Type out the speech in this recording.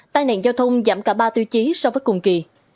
tai nạn giao thông giảm cả ba tiêu chí so với cùng kỳ